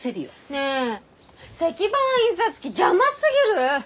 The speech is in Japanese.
ねえ石版印刷機邪魔すぎる！